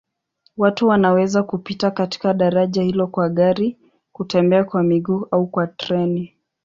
Watu wanaweza kupita katika daraja hilo kwa gari, kutembea kwa miguu au kwa treni.